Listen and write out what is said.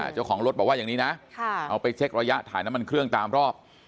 เจ้าของรถบอกว่าอย่างนี้นะเอาไปเช็กระยะถ่ายน้ำมันเครื่องตามรอบ